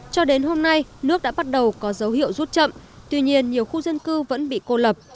cho đến hôm nay nước đã bắt đầu có dấu hiệu rút chậm tuy nhiên nhiều khu dân cư vẫn bị cô lập